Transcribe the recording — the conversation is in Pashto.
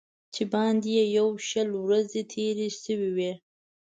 چې باندې یې یو شل ورځې تېرې شوې وې.